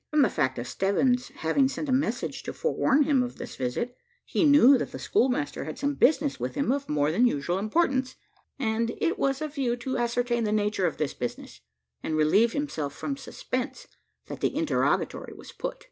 From the fact of Stebbins having sent a message to forewarn him, of this visit, he knew that the schoolmaster had some business with him of more than usual importance; and it was a view to ascertain the nature of this business, and relieve himself from suspense, that the interrogatory was put.